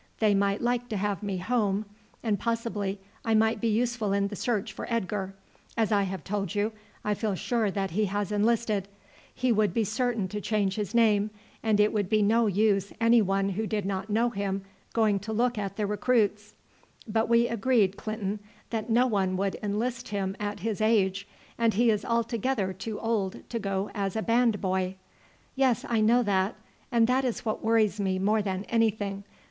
They might like to have me home, and possibly I might be useful in the search for Edgar. As I have told you, I feel sure that he has enlisted. He would be certain to change his name, and it would be no use anyone who did not know him going to look at the recruits." "But we agreed, Clinton, that no one would enlist him at his age, and he is altogether too old to go as a band boy." "Yes, I know that; and that is what worries me more than anything.